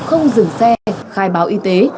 không dừng xe khai báo y tế